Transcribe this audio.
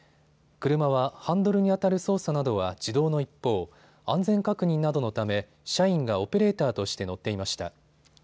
車はハンドルにあたる操作などは自動の一方、安全確認などのため社員がオペレーターとして乗っていました。